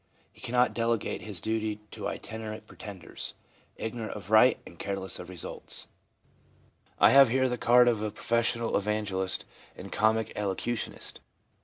He cannot delegate his duty to itinerant pretenders, ignorant of right and careless of results. 1 I have here the card of a professional evangelist and comic elocutionist.